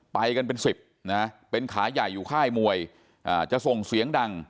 ไปกันเป็นสิบนะเป็นขาใหญ่อยู่ค่ายมวยจะส่งเสียงดัง